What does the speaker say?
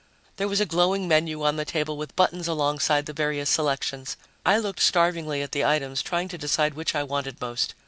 There was a glowing menu on the table with buttons alongside the various selections. I looked starvingly at the items, trying to decide which I wanted most.